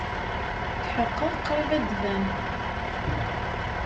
Tḥeqqeɣ qrib ad d-tban.